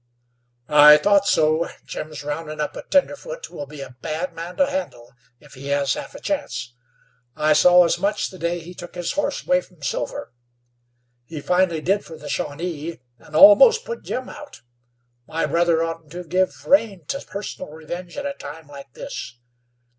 "I thought so. Jim's roundin' up a tenderfoot who will be a bad man to handle if he has half a chance. I saw as much the day he took his horse away from Silver. He finally did fer the Shawnee, an' almost put Jim out. My brother oughtn't to give rein to personal revenge at a time like this."